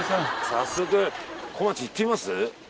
早速小町行ってみます？